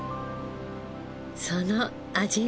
その味は？